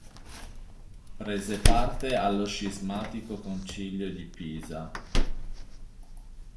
Prese parte allo scismatico Concilio di Pisa.